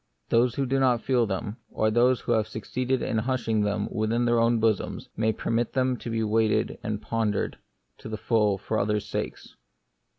Those who do not feel them, or who have succeeded in hushing them within their own bosoms, may permit them to be weighed and pon dered to the full for others' sakes.